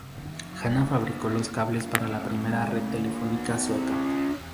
Hanna fabricó los cables para la primera red telefónica sueca.